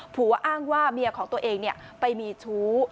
อ้างว่าเมียของตัวเองไปมีชู้